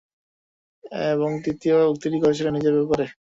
এবং তৃতীয় উক্তিটি করেছিলেন নিজের ব্যাপারে।